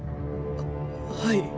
はい。